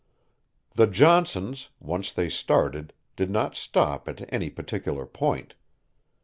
The Johnsons, once they started, did not stop at any particular point.